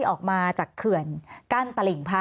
มีความรู้สึกว่าเสียใจ